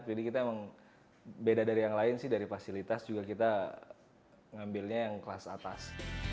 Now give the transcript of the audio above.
jadi kita emang beda dari yang lain sih dari fasilitas juga kita ngambilnya yang kelas atas